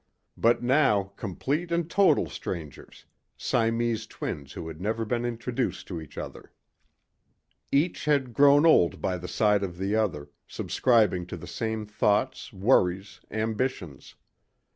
But now complete and total strangers Siamese twins who had never been introduced to each other. Each had grown old by the side of the other, subscribing to the same thoughts, worries, ambitions.